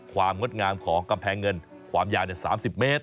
งดงามของกำแพงเงินความยาว๓๐เมตร